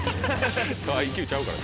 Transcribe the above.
ＩＱちゃうから。